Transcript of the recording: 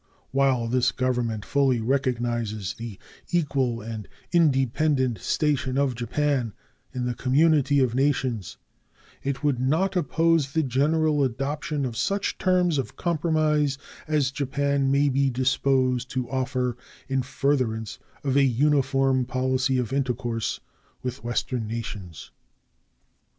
While this Government fully recognizes the equal and independent station of Japan in the community of nations, it would not oppose the general adoption of such terms of compromise as Japan may be disposed to offer in furtherance of a uniform policy of intercourse with Western nations.